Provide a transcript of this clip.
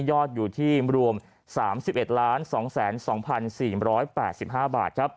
ยอดอยู่ที่รวม๓๑๒๐๒๔๘๕บาทครับ